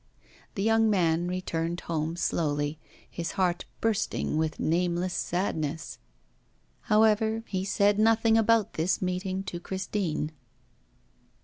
The young man returned home slowly, his heart bursting with nameless sadness. However, he said nothing about this meeting to Christine.